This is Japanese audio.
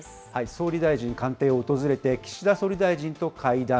総理大臣官邸を訪れて、岸田総理大臣と会談。